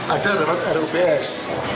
ada rapat rups